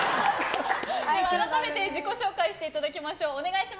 改めて自己紹介していただきましょう。